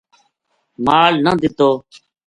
مال نہ دِتو